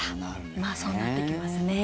まあ、そうなってきますね。